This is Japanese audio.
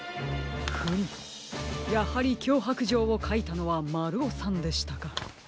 フムやはりきょうはくじょうをかいたのはまるおさんでしたか。